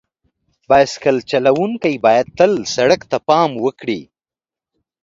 بایسکل چلونکي باید تل سړک ته پام وکړي.